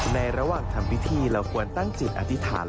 ในระหว่างทำพิธีเราควรตั้งจิตอธิษฐาน